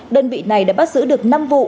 đơn vị này đã bắt giữ được năm vụ